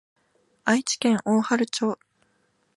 愛知県大治町